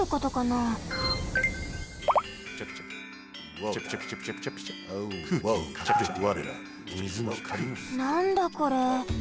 なんだこれ？